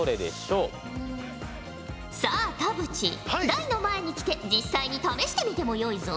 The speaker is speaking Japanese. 台の前に来て実際に試してみてもよいぞ。